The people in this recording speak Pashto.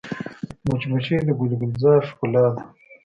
مچمچۍ د ګل ګلزار ښکلا ده